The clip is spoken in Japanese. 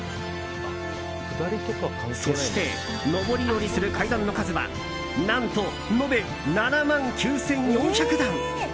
そして、上り下りする階段の数は何と延べ７万９４００段！